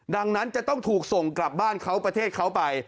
ดังนั้นจะต้องถูกส่งกลับบ้านเขาประเทศเขาไป